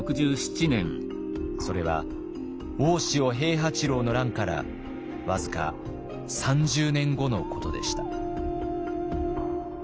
それは大塩平八郎の乱から僅か３０年後のことでした。